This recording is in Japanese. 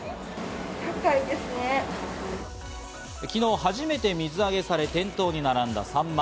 昨日、初めて水揚げされ店頭に並んだサンマ。